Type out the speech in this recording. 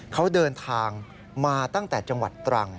เขาเดินทางมาตั้งแต่จังหวัดตรัง